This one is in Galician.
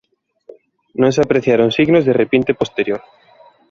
Non se apreciaron signos de repinte posterior.